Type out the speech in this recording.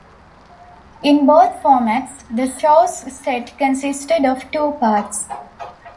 In both formats, the show's set consisted of two parts.